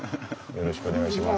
よろしくお願いします。